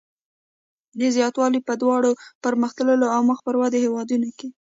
دا زیاتوالی په دواړو پرمختللو او مخ پر ودې هېوادونو کې دی.